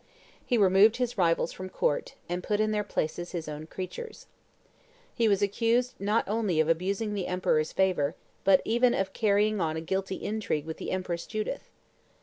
He removed his rivals from court, and put in their places his own creatures. He was accused not only of abusing the emperor's favor, but even of carrying on a guilty intrigue with the Empress Judith.